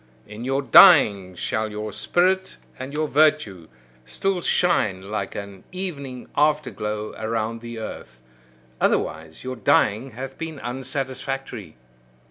In your dying shall your spirit and your virtue still shine like an evening after glow around the earth: otherwise your dying hath been unsatisfactory.